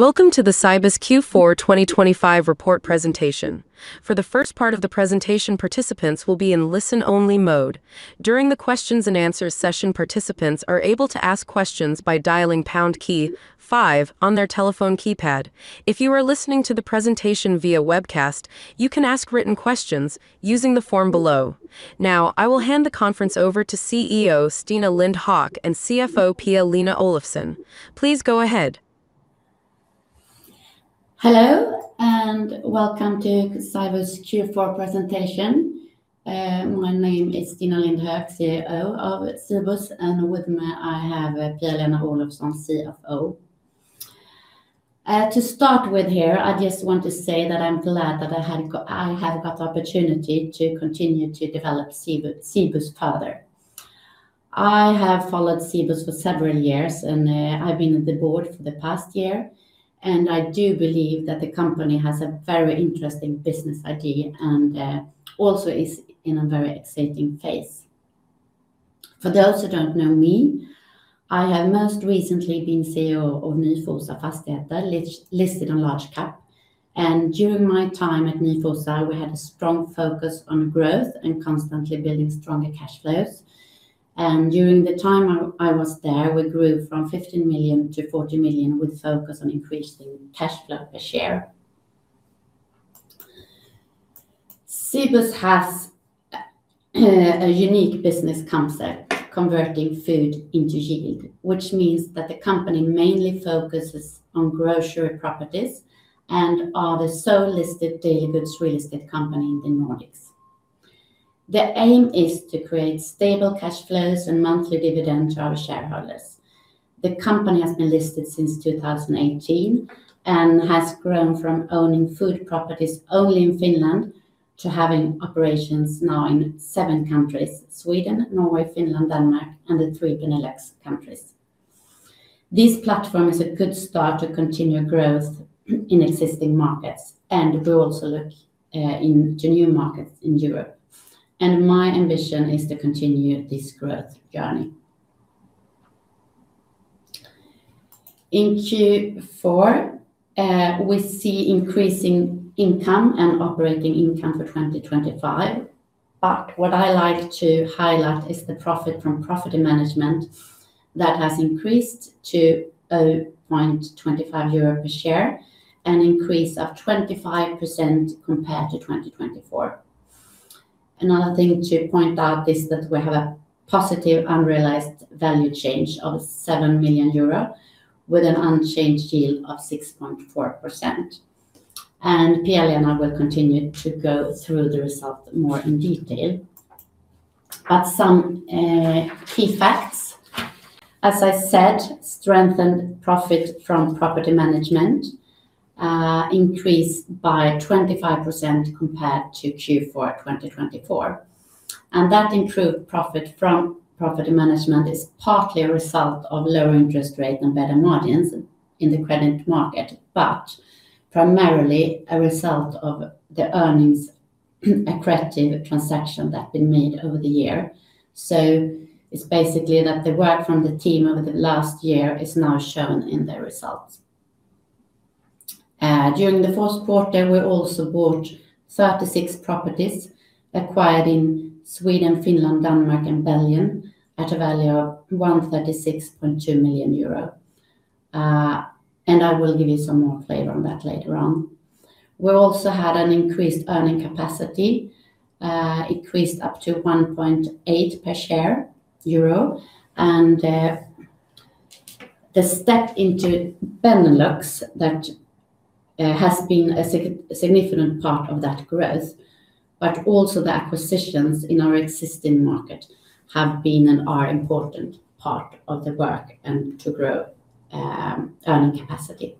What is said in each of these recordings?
Welcome to the Cibus Q4 2025 Report Presentation. For the first part of the presentation, participants will be in listen-only mode. During the question-and-answer session, participants are able to ask questions by dialing pound key five on their telephone keypad. If you are listening to the presentation via webcast, you can ask written questions using the form below. Now, I will hand the conference over to CEO Stina Lindh Hök, and CFO Pia-Lena Olofsson. Please go ahead. Hello, and welcome to Cibus Q4 presentation. My name is Stina Lindh Hök, CEO of Cibus, and with me, I have Pia-Lena Olofsson, CFO. To start with here, I just want to say that I'm glad that I have got the opportunity to continue to develop Cibus further. I have followed Cibus for several years, and I've been on the board for the past year, and I do believe that the company has a very interesting business idea, and also is in a very exciting phase. For those who don't know me, I have most recently been CEO of Nyfosa Fastigheter, listed on Large Cap. During my time at Nyfosa, we had a strong focus on growth and constantly building stronger cash flows. During the time I was there, we grew from 15 million-40 million, with focus on increasing cash flow per share. Cibus has a unique business concept, converting food into yield, which means that the company mainly focuses on grocery properties and are the sole listed daily goods real estate company in the Nordics. The aim is to create stable cash flows and monthly dividend to our shareholders. The company has been listed since 2018 and has grown from owning food properties only in Finland, to having operations now in seven countries: Sweden, Norway, Finland, Denmark, and the three Benelux countries. This platform is a good start to continue growth in existing markets, and we will also look into new markets in Europe, and my ambition is to continue this growth journey. In Q4, we see increasing income and operating income for 2025, but what I like to highlight is the profit from property management. That has increased to 0.25 euro per share, an increase of 25% compared to 2024. Another thing to point out is that we have a positive unrealized value change of 7 million euro, with an unchanged yield of 6.4%. Pia-Lena will continue to go through the result more in detail. Some key facts, as I said, strengthened profit from property management, increased by 25% compared to Q4 2024. That improved profit from property management is partly a result of lower interest rate and better margins in the credit market, but primarily a result of the earnings, accretive transaction that have been made over the year. So it's basically that the work from the team over the last year is now shown in the results. During the fourth quarter, we also bought 36 properties, acquired in Sweden, Finland, Denmark, and Belgium, at a value of 136.2 million euro. And I will give you some more flavor on that later on. We also had an increased earning capacity, increased up to 1.8 per share, and the step into Benelux, that has been a significant part of that growth, but also the acquisitions in our existing market have been and are important part of the work and to grow, earning capacity.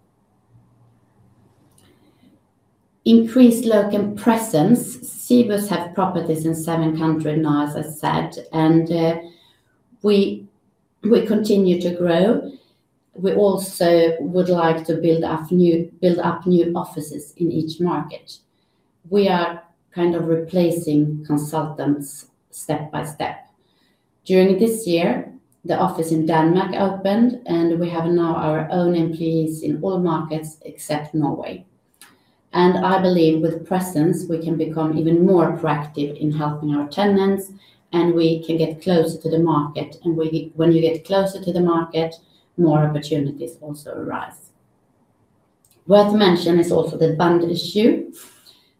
Increased local presence. Cibus have properties in seven countries now, as I said, and we continue to grow. We also would like to build up new, build up new offices in each market. We are kind of replacing consultants step by step. During this year, the office in Denmark opened, and we have now our own employees in all markets except Norway. I believe with presence, we can become even more proactive in helping our tenants, and we can get closer to the market, and when you get closer to the market, more opportunities also arise. Worth mentioning is also the bond issue.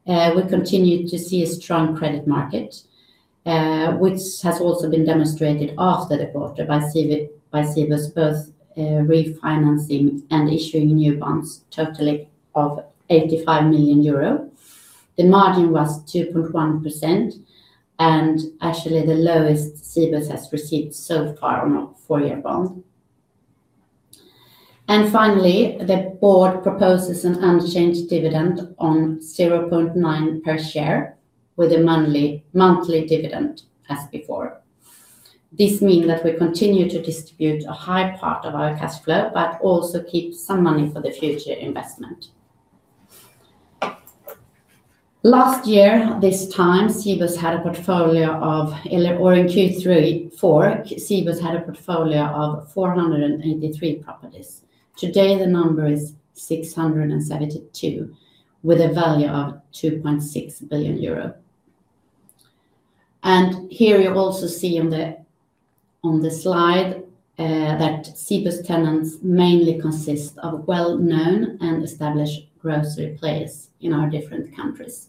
We continue to see a strong credit market, which has also been demonstrated after the quarter by Cibus, by Cibus, both refinancing and issuing new bonds, totally of 85 million euro. The margin was 2.1%, and actually, the lowest Cibus has received so far on our four-year bond. Finally, the board proposes an unchanged dividend of 0.9 per share with a monthly dividend as before. This means that we continue to distribute a high part of our cash flow, but also keep some money for the future investment. Last year at this time, or in Q3 2024, Cibus had a portfolio of 483 properties. Today, the number is 672, with a value of 2.6 billion euro. And here you also see on the slide that Cibus tenants mainly consist of well-known and established grocery players in our different countries.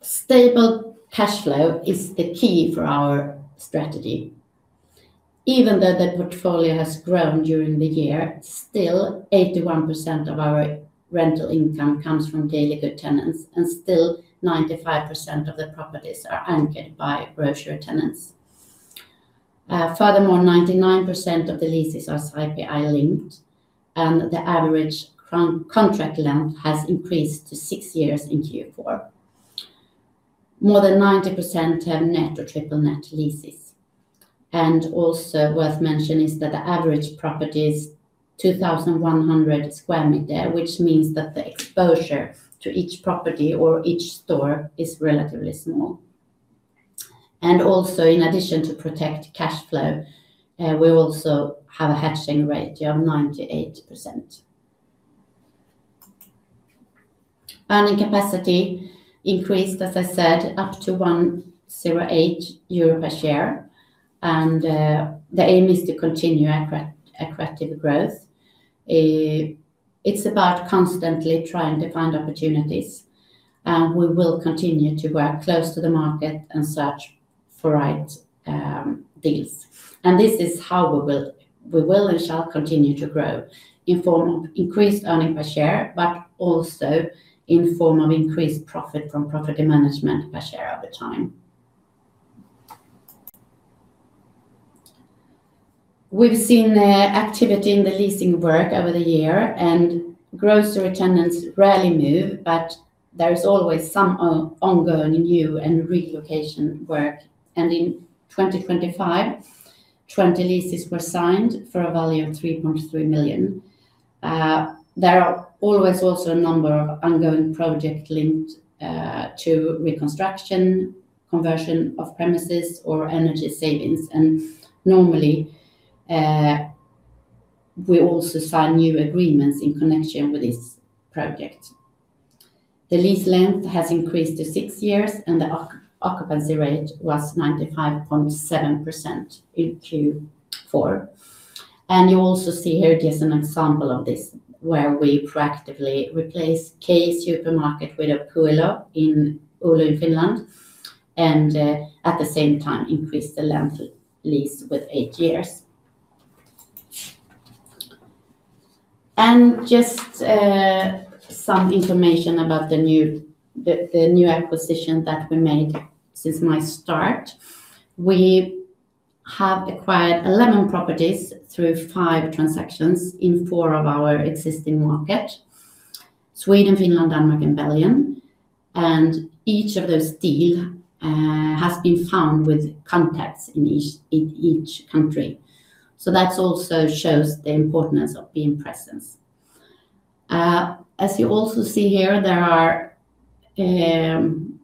Stable cash flow is the key for our strategy. Even though the portfolio has grown during the year, still, 81% of our rental income comes from daily good tenants, and still, 95% of the properties are anchored by grocery tenants. Furthermore, 99% of the leases are CPI linked, and the average contract length has increased to six years in Q4. More than 90% have net or triple net leases. Also worth mentioning is that the average property is 2,100 square meters, which means that the exposure to each property or each store is relatively small. Also, in addition to protect cash flow, we also have a hedging ratio of 98%. Earnings capacity increased, as I said, up to [1.08 euro] per share, and the aim is to continue accretive growth. It's about constantly trying to find opportunities, and we will continue to work close to the market and search for right deals. This is how we will, we will and shall continue to grow in form of increased earnings per share, but also in form of increased profit from property management per share over time. We've seen activity in the leasing work over the year, and grocery tenants rarely move, but there is always some ongoing new and relocation work, and in 2025, 20 leases were signed for a value of 3.3 million. There are always also a number of ongoing projects linked to reconstruction, conversion of premises, or energy savings, and normally, we also sign new agreements in connection with this project. The lease length has increased to six years, and the occupancy rate was 95.7% in Q4. You also see here just an example of this, where we proactively replaced K-Supermarket with a Tokmanni in Oulu, Finland, and at the same time, increased the length lease with eight years. And just some information about the new acquisition that we made since my start. We have acquired 11 properties through five transactions in four of our existing markets, Sweden, Finland, Denmark, and Belgium, and each of those deals has been funded with contacts in each country. So that also shows the importance of being present. As you also see here, there are some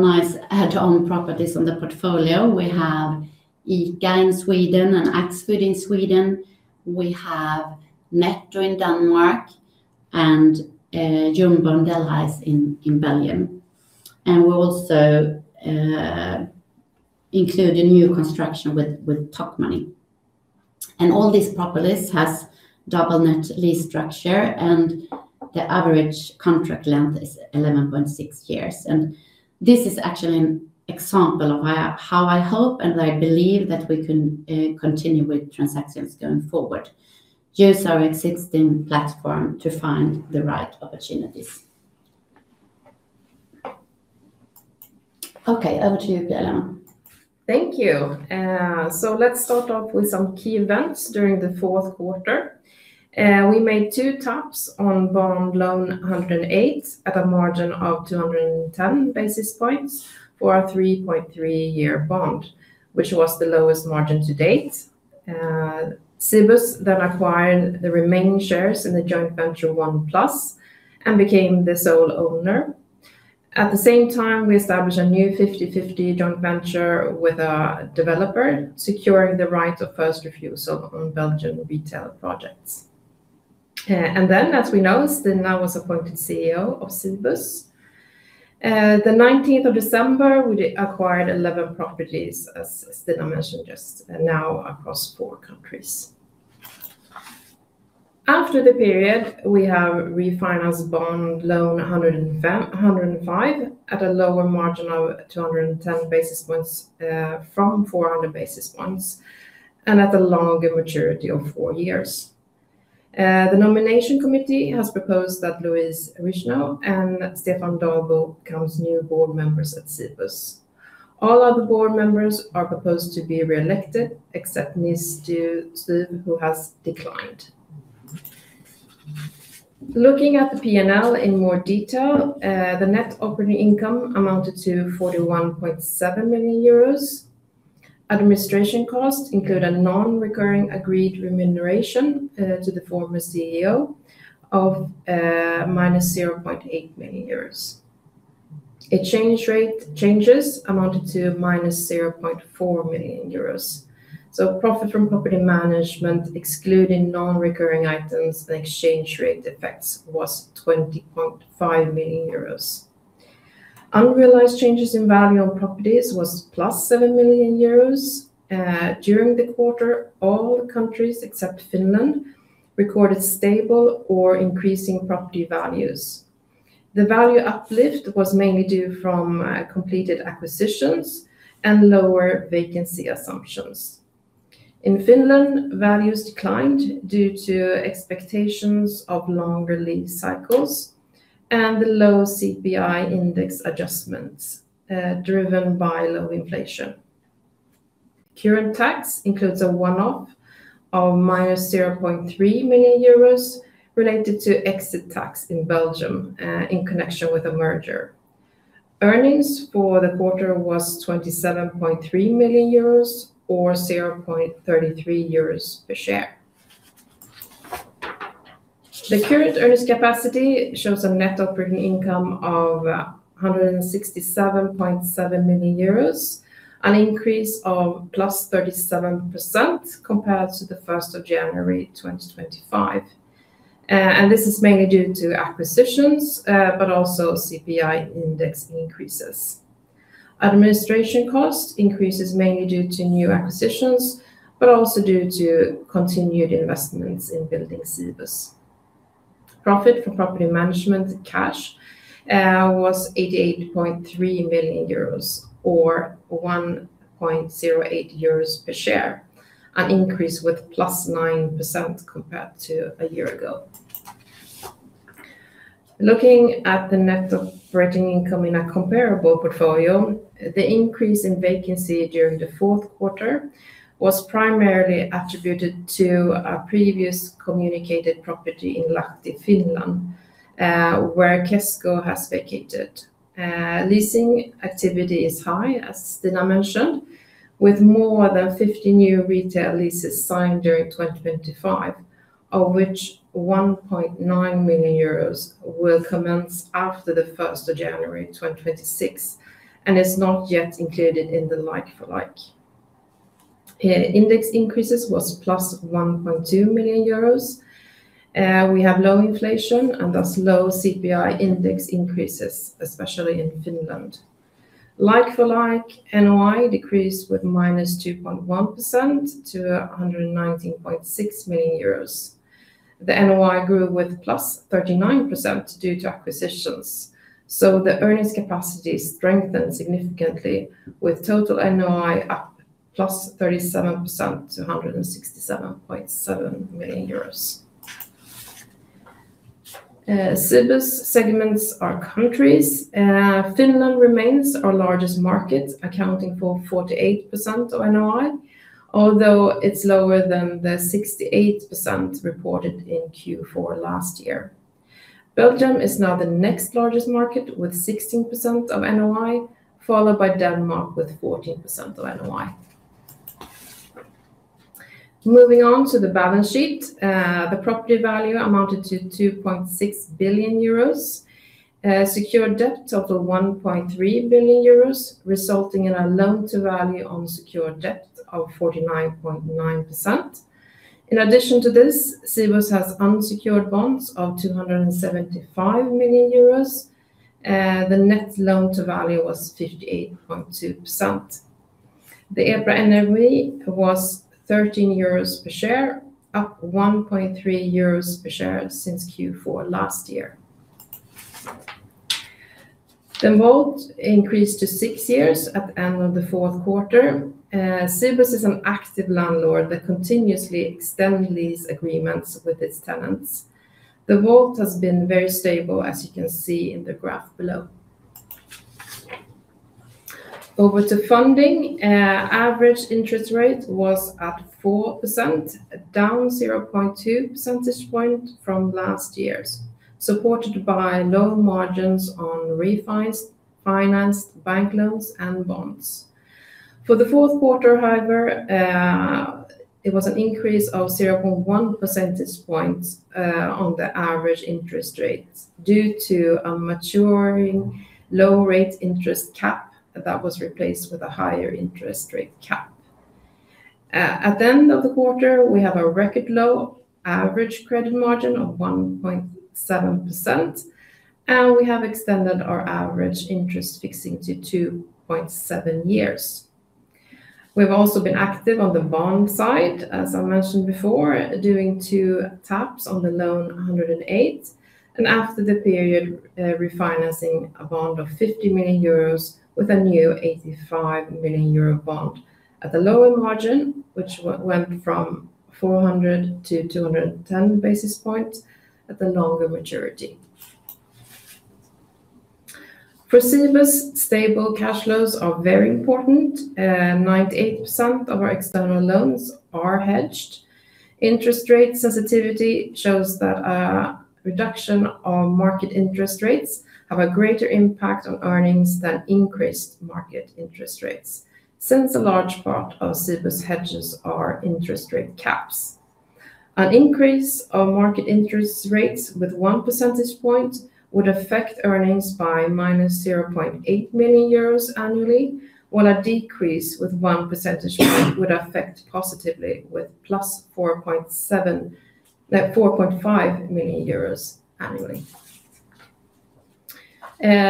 nice add-on properties on the portfolio. We have ICA in Sweden and Axfood in Sweden. We have Netto in Denmark and, Jumbo and Delhaize in Belgium. And we also include a new construction with Tokmanni. And all these properties has double net lease structure, and the average contract length is 11.6 years, and this is actually an example of how I hope, and I believe that we can continue with transactions going forward. Use our existing platform to find the right opportunities. Okay, over to you, Pia-Lena. Thank you. So let's start off with some key events during the fourth quarter. We made two taps on bond loan 108 at a margin of 210 basis points for our 3.3-year bond, which was the lowest margin to date. Cibus then acquired the remaining shares in the joint venture OnePlus and became the sole owner. At the same time, we established a new 50/50 joint venture with a developer, securing the right of first refusal on Belgian retail projects. And then, as we know, Stina was appointed CEO of Cibus. The 19th of December, we acquired 11 properties, as, as Stina mentioned just now, across four countries. After the period, we have refinanced bond loan 105 at a lower margin of 210 basis points from 400 basis points, and at a longer maturity of four years. The nomination committee has proposed that Louise Richnau and Stefan Dahlbo becomes new board members at Cibus. All other board members are proposed to be re-elected, except Nils Styf, who has declined. Looking at the P&L in more detail, the net operating income amounted to 41.7 million euros. Administration costs include a non-recurring agreed remuneration to the former CEO of -0.8 million euros. Exchange rate changes amounted to -0.4 million euros. So profit from property management, excluding non-recurring items and exchange rate effects, was 20.5 million euros. Unrealized changes in value on properties was plus 7 million euros. During the quarter, all the countries, except Finland, recorded stable or increasing property values. The value uplift was mainly due from completed acquisitions and lower vacancy assumptions. In Finland, values declined due to expectations of longer lease cycles and the low CPI index adjustments, driven by low inflation. Current tax includes a one-off of minus 0.3 million euros related to exit tax in Belgium, in connection with a merger. Earnings for the quarter was 27.3 million euros or 0.33 euros per share. The current earnings capacity shows a net operating income of 167.7 million euros, an increase of +37% compared to the first of January 2025. This is mainly due to acquisitions, but also CPI index increases. Administration cost increases mainly due to new acquisitions, but also due to continued investments in building Cibus. Profit from property management cash was 88.3 million euros or 1.08 euros per share, an increase with +9% compared to a year ago. Looking at the net operating income in a comparable portfolio, the increase in vacancy during the fourth quarter was primarily attributed to a previous communicated property in Lahti, Finland, where Kesko has vacated. Leasing activity is high, as Stina mentioned, with more than 50 new retail leases signed during 2025, of which 1.9 million euros will commence after the first of January 2026, and is not yet included in the like for like. Index increases was +1.2 million euros. We have low inflation and thus, low CPI index increases, especially in Finland. Like-for-like, NOI decreased -2.1% to 119.6 million euros. The NOI grew +39% due to acquisitions, so the earnings capacity strengthened significantly, with total NOI up +37% to 167.7 million euros. Cibus segments are countries. Finland remains our largest market, accounting for 48% of NOI, although it's lower than the 68% reported in Q4 last year. Belgium is now the next largest market, with 16% of NOI, followed by Denmark with 14% of NOI. Moving on to the balance sheet. The property value amounted to 2.6 billion euros. Secured debt totaled 1.3 billion euros, resulting in a loan-to-value on secured debt of 49.9%. In addition to this, Cibus has unsecured bonds of 275 million euros. The net loan-to-value was 58.2%. The EPRA NAV was 13 euros per share, up 1.3 euros per share since Q4 last year. The WAULT increased to six years at the end of the fourth quarter. Cibus is an active landlord that continuously extend lease agreements with its tenants. The WAULT has been very stable, as you can see in the graph below. Over to funding. Average interest rate was at 4%, down 0.2 percentage points from last year's, supported by low margins on refinanced bank loans and bonds. For the fourth quarter, however, it was an increase of 0.1 percentage points on the average interest rates due to a maturing low-rate interest cap that was replaced with a higher interest rate cap. At the end of the quarter, we have a record low average credit margin of 1.7%, and we have extended our average interest fixing to 2.7 years. We've also been active on the bond side, as I mentioned before, doing two taps on the loan 108, and after the period, refinancing a bond of 50 million euros with a new 85 million euro bond at a lower margin, which went from 400 to 210 basis points at the longer maturity. For Cibus, stable cash flows are very important, and 98% of our external loans are hedged. Interest rate sensitivity shows that, reduction on market interest rates have a greater impact on earnings than increased market interest rates, since a large part of Cibus hedges are interest rate caps. An increase of market interest rates with one percentage point would affect earnings by -0.8 million euros annually, while a decrease with one percentage point would affect positively with +4.7, 4.5 million annually.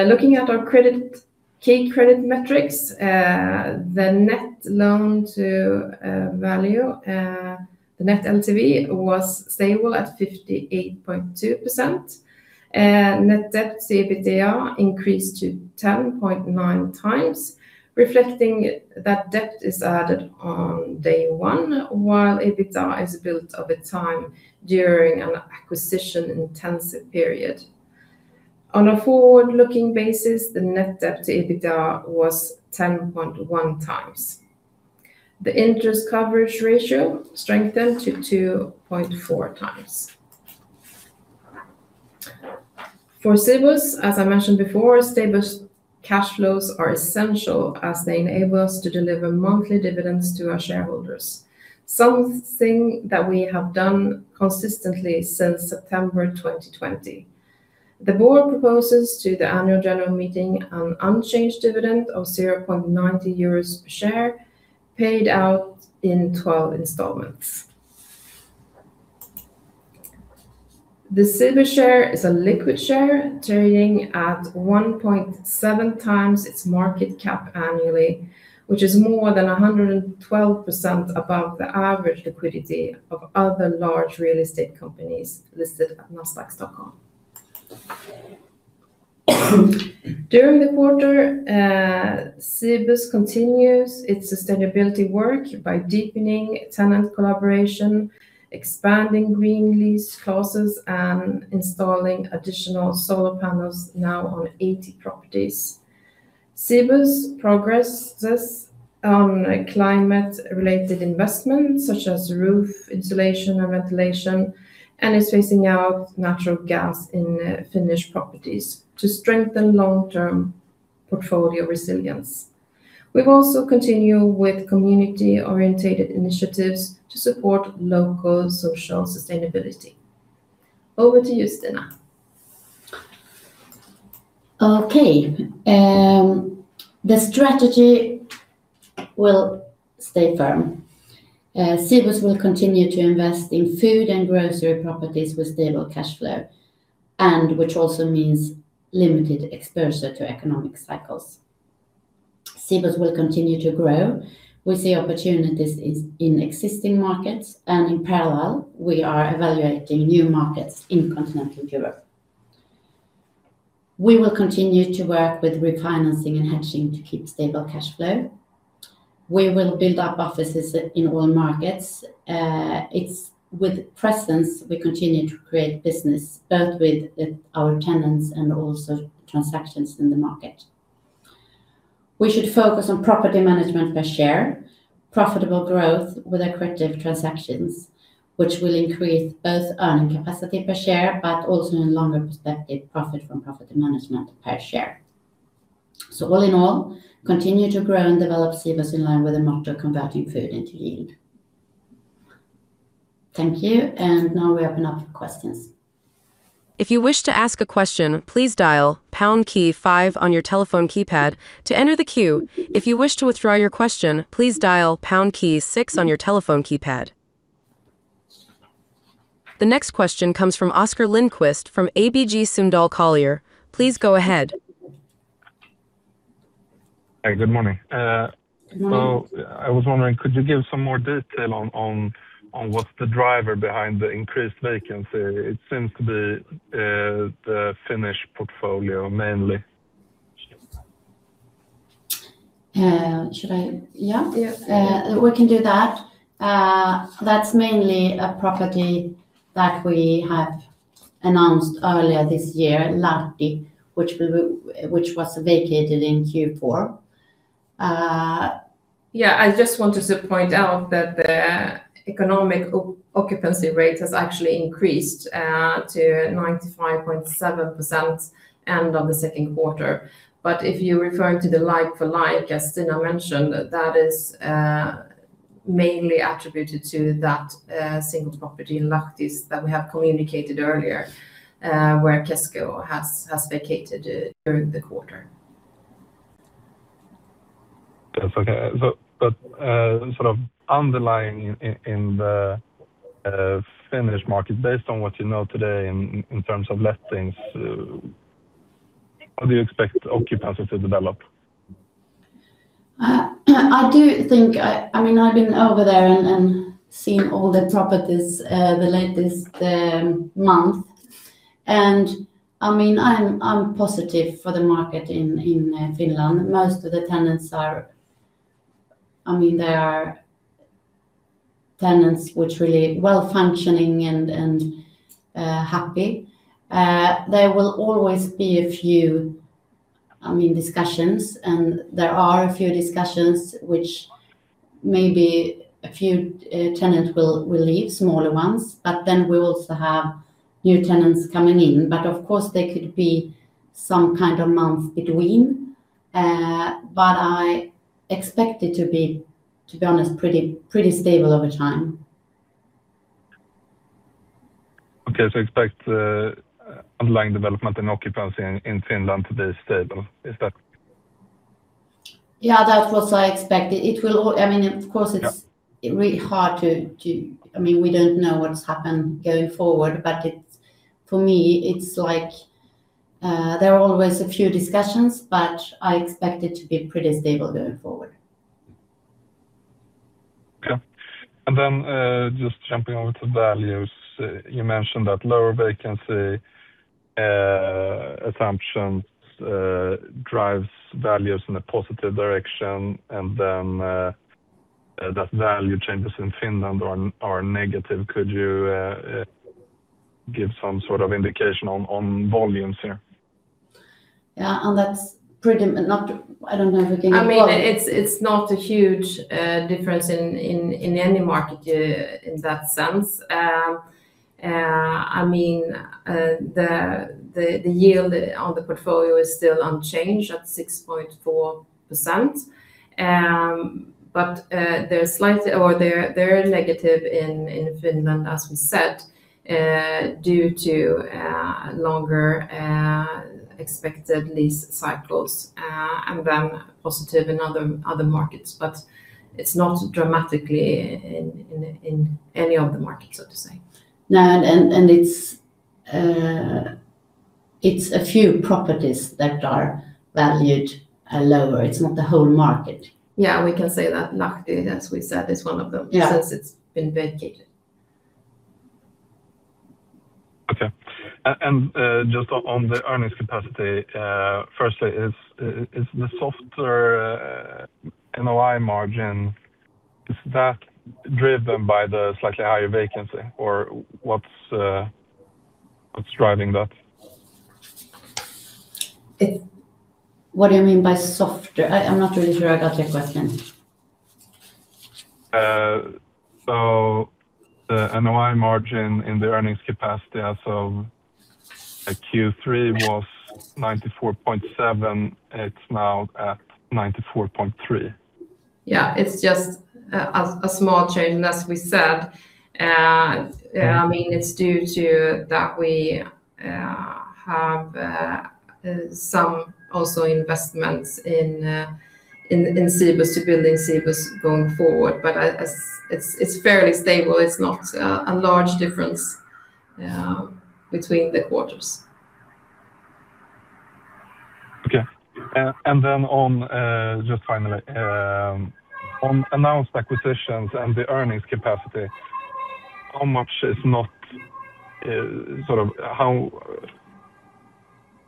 Looking at our credit, key credit metrics, the net loan to value, the net LTV was stable at 58.2%. Net debt, EBITDA increased to 10.9x, reflecting that debt is added on day one, while EBITDA is built over time during an acquisition-intensive period. On a forward-looking basis, the net debt to EBITDA was 10.1 times. The interest coverage ratio strengthened to 2.4x. For Cibus, as I mentioned before, stable cash flows are essential as they enable us to deliver monthly dividends to our shareholders, something that we have done consistently since September 2020. The board proposes to the annual general meeting an unchanged dividend of 0.90 euros per share, paid out in 12 installments. The Cibus share is a liquid share, trading at 1.7x its market cap annually, which is more than 112% above the average liquidity of other large real estate companies listed at Nasdaq Stockholm. During the quarter, Cibus continues its sustainability work by deepening tenant collaboration, expanding green lease clauses, and installing additional solar panels, now on 80 properties. Cibus progresses on climate-related investments, such as roof insulation and ventilation, and is phasing out natural gas in Finnish properties to strengthen long-term portfolio resilience. We've also continued with community-orientated initiatives to support local social sustainability. Over to you, Stina. Okay, the strategy will stay firm. Cibus will continue to invest in food and grocery properties with stable cash flow, and which also means limited exposure to economic cycles. Cibus will continue to grow. We see opportunities in existing markets, and in parallel, we are evaluating new markets in continental Europe. We will continue to work with refinancing and hedging to keep stable cash flow. We will build up offices in all markets. It's with presence, we continue to create business, both with our tenants and also transactions in the market. We should focus on property management per share, profitable growth with accretive transactions, which will increase both earning capacity per share, but also, in longer perspective, profit from property management per share. So all in all, continue to grow and develop Cibus in line with the motto, "Converting food into yield." Thank you, and now we open up for questions. If you wish to ask a question, please dial pound key five on your telephone keypad to enter the queue. If you wish to withdraw your question, please dial pound key six on your telephone keypad. The next question comes from Oscar Lindquist from ABG Sundal Collier. Please go ahead. Hi, good morning. Good morning. So I was wondering, could you give some more detail on what's the driver behind the increased vacancy? It seems to be the Finnish portfolio, mainly. Should I... Yeah? Yeah. We can do that. That's mainly a property that we have announced earlier this year, Lahti, which will be, which was vacated in Q4. Yeah, I just wanted to point out that the economic occupancy rate has actually increased to 95.7% end of the second quarter. But if you're referring to the like-for-like, as Stina mentioned, that is mainly attributed to that single property in Lahti that we have communicated earlier where Kesko has vacated during the quarter. That's okay. But sort of underlying in the Finnish market, based on what you know today in terms of lettings, how do you expect occupancy to develop? I do think... I mean, I've been over there and seen all the properties, the latest month, and, I mean, I'm positive for the market in Finland. Most of the tenants are, I mean, they are tenants which really well-functioning and happy. There will always be a few, I mean, discussions, and there are a few discussions which maybe a few tenants will leave, smaller ones, but then we also have new tenants coming in. But of course, there could be some kind of month between... but I expect it to be, to be honest, pretty stable over time. Okay, so expect underlying development and occupancy in Finland to be stable, is that- Yeah, that's what I expect. It will all-- I mean, of course, it's- Yeah... really hard to, I mean, we don't know what has happened going forward, but it's, for me, it's like, there are always a few discussions, but I expect it to be pretty stable going forward. Okay. And then, just jumping over to values. You mentioned that lower vacancy assumptions drives values in a positive direction, and then, that value changes in Finland are negative. Could you give some sort of indication on volumes here? Yeah, and that's pretty not. I don't know if we can- I mean, it's not a huge difference in any market in that sense. I mean, the yield on the portfolio is still unchanged at 6.4%. But they're slightly or they're negative in Finland, as we said, due to longer expected lease cycles, and then positive in other markets. But it's not dramatically in any of the markets, so to say. No, it's a few properties that are valued lower. It's not the whole market. Yeah, we can say that. Lahti, as we said, is one of them- Yeah... since it's been vacated. Okay. Just on the earnings capacity, firstly, is the softer NOI margin driven by the slightly higher vacancy, or what's driving that? What do you mean by softer? I'm not really sure I got your question. The NOI margin in the earnings capacity as of Q3 was 94.7%. It's now at 94.3%. Yeah, it's just a small change, and as we said, Yeah... I mean, it's due to that we have some also investments in Cibus to building Cibus going forward. But as... It's fairly stable. It's not a large difference between the quarters. Okay. Then, just finally, on announced acquisitions and the earnings capacity,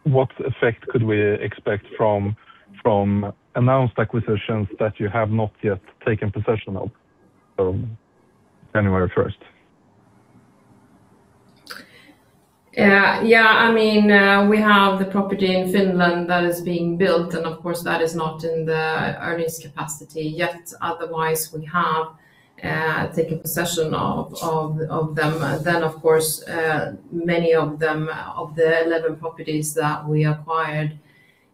what effect could we expect from announced acquisitions that you have not yet taken possession of, January first? Yeah, I mean, we have the property in Finland that is being built, and of course, that is not in the earnings capacity yet. Otherwise, we have taken possession of them. Then, of course, many of them of the 11 properties that we acquired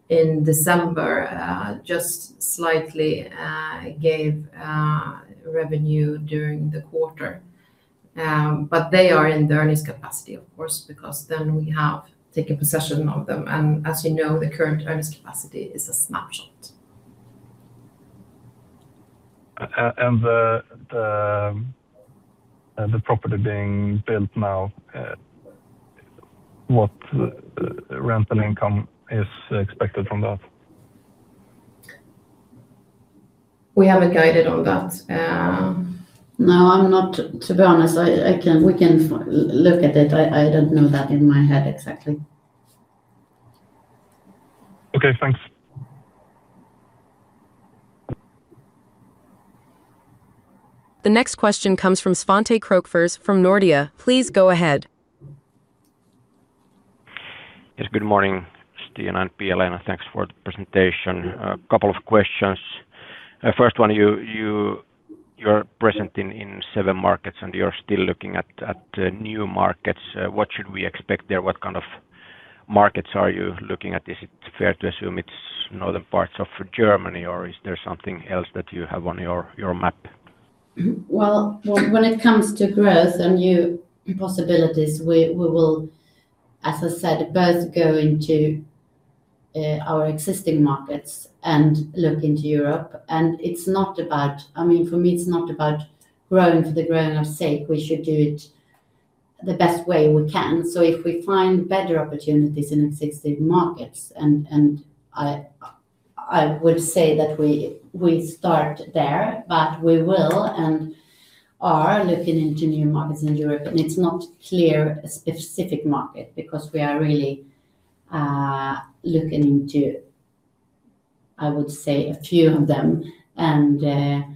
in December just slightly gave revenue during the quarter. But they are in the earnings capacity, of course, because then we have taken possession of them, and as you know, the current earnings capacity is a snapshot. And the property being built now, what rental income is expected from that? We haven't guided on that. No, I'm not. To be honest, we can look at it. I don't know that in my head exactly. Okay, thanks. The next question comes from Svante Krokfors from Nordea. Please go ahead. Yes, good morning, Stina and Pia-Lena. Thanks for the presentation. Couple of questions. First one, you're present in seven markets, and you're still looking at new markets. What should we expect there? What kind of markets are you looking at? Is it fair to assume it's northern parts of Germany, or is there something else that you have on your map? Well, when it comes to growth and new possibilities, we will, as I said, both go into our existing markets and look into Europe, and it's not about... I mean, for me, it's not about growing for the sake of growing. We should do it the best way we can. So if we find better opportunities in existing markets, and I would say that we start there, but we will and are looking into new markets in Europe, and it's not clear a specific market because we are really looking into, I would say, a few of them. And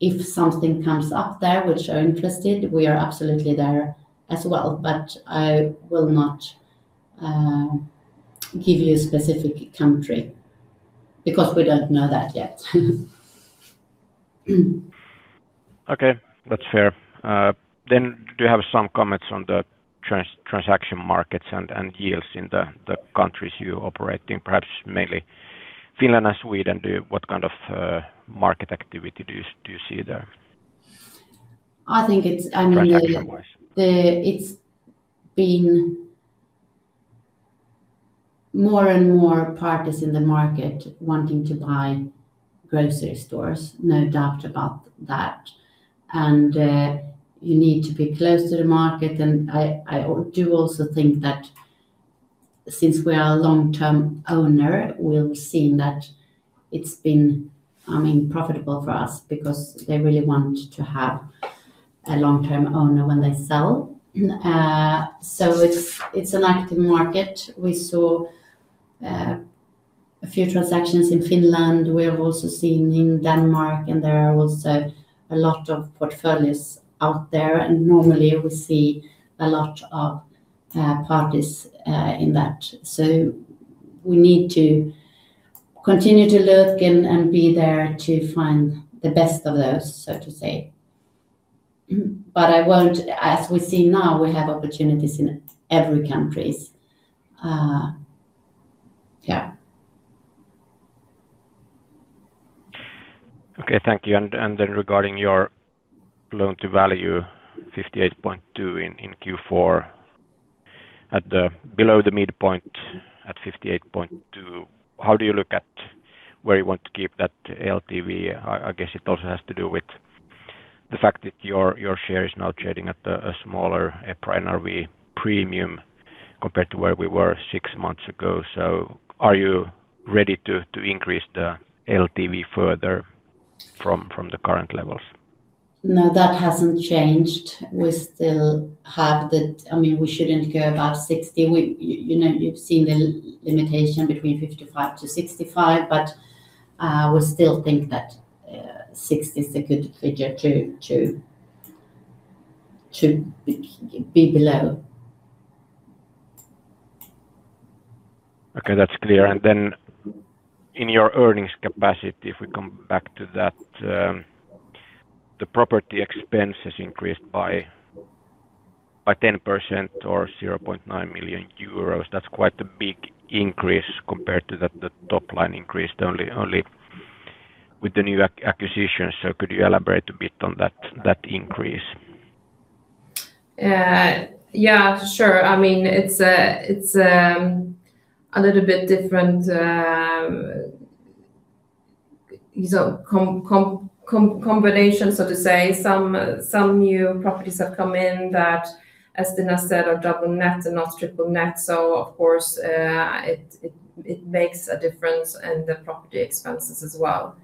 if something comes up there, which are interesting, we are absolutely there as well, but I will not give you a specific country because we don't know that yet. Okay, that's fair. Then do you have some comments on the transaction markets and yields in the countries you operate in, perhaps mainly Finland and Sweden? What kind of market activity do you see there? I think it's, I mean- Transaction wise. It's been more and more parties in the market wanting to buy grocery stores, no doubt about that. And you need to be close to the market, and I do also think that since we are a long-term owner, we've seen that it's been, I mean, profitable for us because they really want to have a long-term owner when they sell. So it's an active market. We saw a few transactions in Finland. We have also seen in Denmark, and there are also a lot of portfolios out there, and normally we see a lot of parties in that. So we need to continue to look and be there to find the best of those, so to say. But I won't... As we see now, we have opportunities in every countries. Yeah. Okay, thank you. And then regarding your loan to value, 58.2 in Q4 below the midpoint, at 58.2, how do you look at where you want to keep that LTV? I guess it also has to do with the fact that your share is now trading at a smaller EPRA NAV premium compared to where we were six months ago. So are you ready to increase the LTV further from the current levels? No, that hasn't changed. We still have the... I mean, we shouldn't go above 60. We, you know, you've seen the limitation between 55-65, but we still think that 60 is a good figure to be below. Okay, that's clear. And then in your earnings capacity, if we come back to that, the property expenses increased by 10% or 0.9 million euros. That's quite a big increase compared to the top line increase, only with the new acquisition. So could you elaborate a bit on that increase? Yeah, sure. I mean, it's a little bit different, so combination, so to say. Some new properties have come in that, as Stina said, are double net and not triple net. So of course, it makes a difference in the property expenses as well,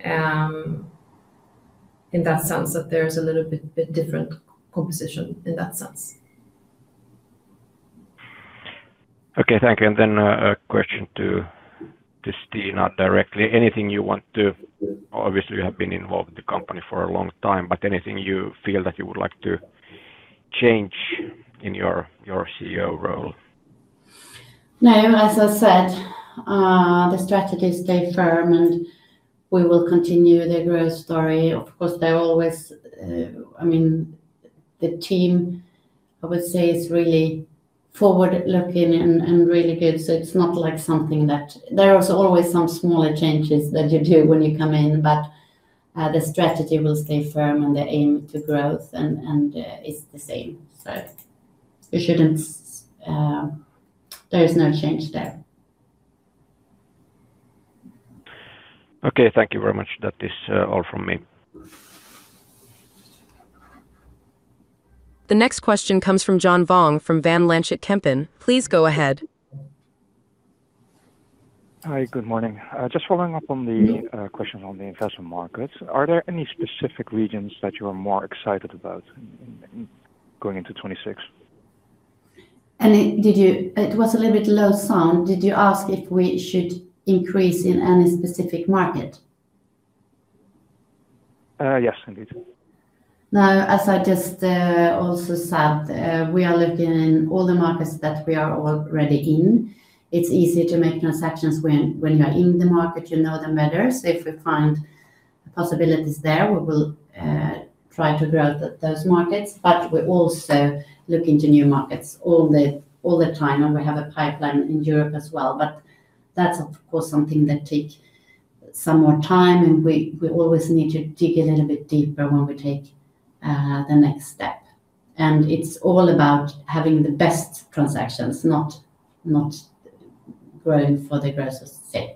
in that sense, that there's a little bit different composition in that sense. Okay, thank you. Then a question to Stina directly. Anything you want to... Obviously, you have been involved with the company for a long time, but anything you feel that you would like to change in your CEO role? No, as I said, the strategy stay firm, and we will continue the growth story. Of course, there are always, I mean, the team, I would say, is really forward-looking and, and really good. So it's not like something that. There are also always some smaller changes that you do when you come in, but, the strategy will stay firm, and the aim to growth and, and, is the same. So we shouldn't, there is no change there. Okay, thank you very much. That is all from me. The next question comes from John Vuong from Van Lanschot Kempen. Please go ahead. Hi, good morning. Just following up on the- Yeah... question on the investment markets. Are there any specific regions that you are more excited about in going into 2026? Did you... It was a little bit low sound. Did you ask if we should increase in any specific market? Yes, indeed. Now, as I just also said, we are looking in all the markets that we are already in. It's easier to make transactions when you are in the market, you know them better. So if we find possibilities there, we will try to grow those markets. But we're also looking to new markets all the time, and we have a pipeline in Europe as well. But that's, of course, something that take some more time, and we always need to dig a little bit deeper when we take the next step. And it's all about having the best transactions, not growing for the growth's sake.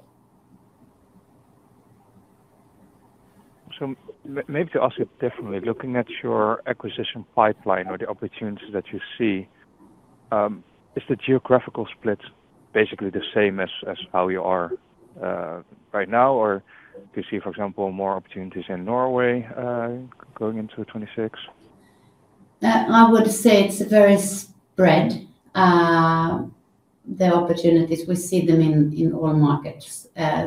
So maybe to ask it differently: looking at your acquisition pipeline or the opportunities that you see, is the geographical split basically the same as, as how you are right now, or do you see, for example, more opportunities in Norway, going into 2026? I would say it's very spread. The opportunities, we see them in all markets. I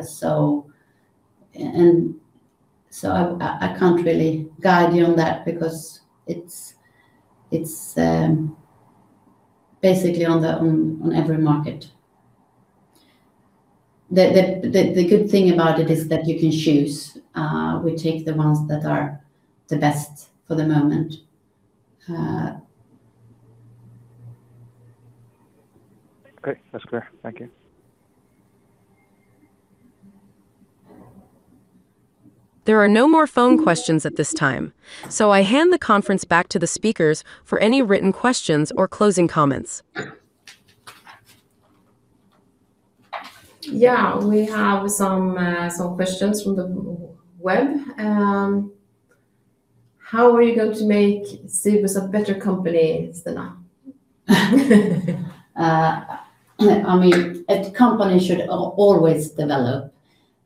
can't really guide you on that because it's basically on every market. The good thing about it is that you can choose, we take the ones that are the best for the moment. Great. That's clear. Thank you. There are no more phone questions at this time, so I hand the conference back to the speakers for any written questions or closing comments. Yeah, we have some questions from the web. How are you going to make Cibus a better company than now? I mean, a company should always develop,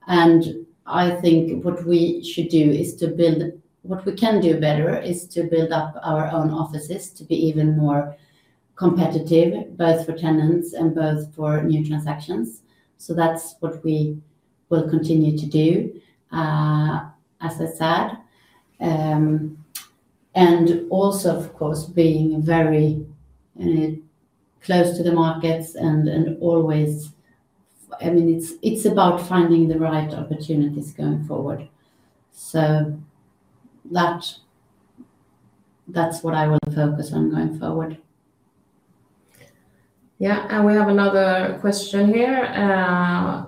and I think what we should do is to build... What we can do better is to build up our own offices to be even more competitive, both for tenants and both for new transactions. That's what we will continue to do, as I said. Also, of course, being very, very close to the markets and, and always, I mean, it's about finding the right opportunities going forward. That's what I will focus on going forward. Yeah, and we have another question here.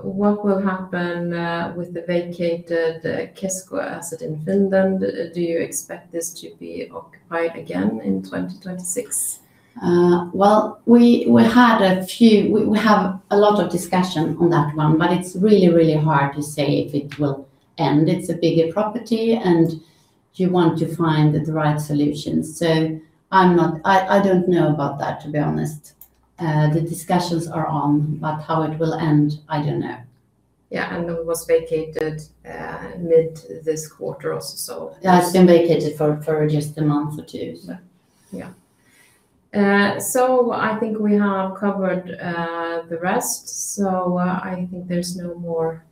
What will happen with the vacated Kesko asset in Finland? Do you expect this to be occupied again in 2026? Well, we have a lot of discussion on that one, but it's really, really hard to say if it will end. It's a bigger property, and you want to find the right solution. So I'm not... I don't know about that, to be honest. The discussions are on, but how it will end, I don't know. Yeah, and it was vacated mid this quarter also, so- Yeah, it's been vacated for just a month or two. So, yeah. I think we have covered the rest, so I think there's no more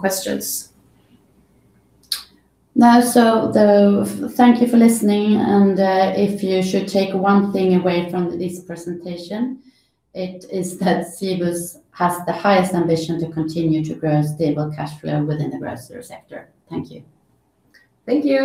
questions. Thank you for listening, and if you should take one thing away from this presentation, it is that Cibus has the highest ambition to continue to grow stable cash flow within the grocery sector. Thank you. Thank you!